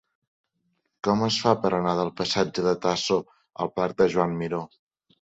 Com es fa per anar del passatge de Tasso al parc de Joan Miró?